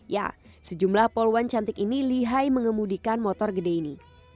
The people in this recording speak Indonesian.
ya sejumlah poluan cantik ini lihai mengemudikan motor gede ini